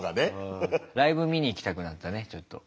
ライブ見に行きたくなったねちょっと。